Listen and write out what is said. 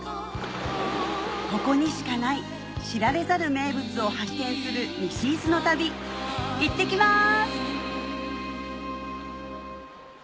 ここにしかない知られざる名物を発見する西伊豆の旅いってきます！